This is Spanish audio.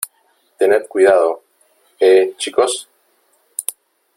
tened cuidado ,¿ eh , chicos ?